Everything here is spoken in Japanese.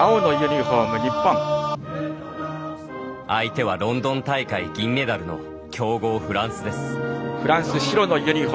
相手はロンドン大会銀メダルの強豪フランスです。